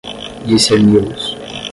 discerni-los